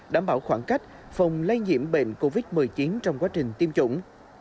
đảm bảo khoảng cách phòng lây nhiễm bệnh covid một mươi chín trong quá trình tiêm chủng